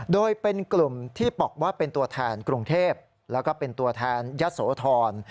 โดยเป็นกลุ่มที่บอกว่าเป็นตัวแทนกรุงเทพแล้วก็เป็นตัวแทนยะโสธร